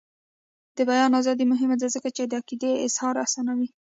د بیان ازادي مهمه ده ځکه چې د عقیدې اظهار اسانوي.